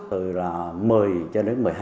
từ là một mươi cho đến một mươi hai